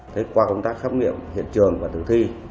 thế qua công tác khám nghiệm hiện trường và tử thi